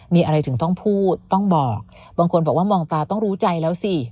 มีอะไรถึงต้องพูดต้องบอกบางคนบอกว่ามองตาต้องรู้ใจแล้วสิ